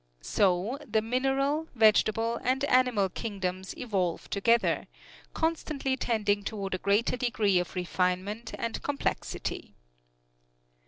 So the mineral, vegetable and animal kingdoms evolve together, constantly tending toward a greater degree of refinement and complexity.